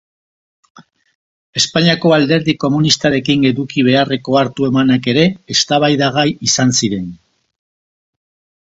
Espainiako Alderdi Komunistarekin eduki beharreko hartu-emanak ere eztabaidagai izan ziren.